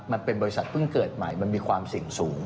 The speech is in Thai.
มันเป็นบริษัทเพิ่งเกิดใหม่มันมีความเสี่ยงสูง